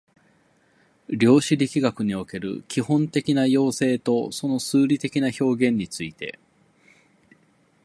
量子力学における基本的な要請とその数理的な表現について